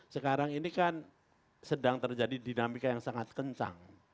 sekarang ini kan sedang terjadi dinamika yang sangat kencang